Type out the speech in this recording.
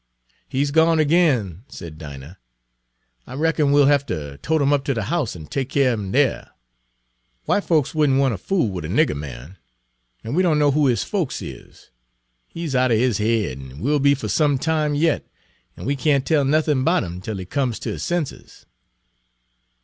"He 's gone ag'in," said Dinah. "I reckon we'll hefter tote 'im up ter de house and take keer er 'im dere. W'ite folks would n't want ter fool wid a nigger man, an' we doan know who his folks is. He 's outer his head an' will be fer some time yet, an' we can't tell nuthin' 'bout 'im tel he comes ter his senses."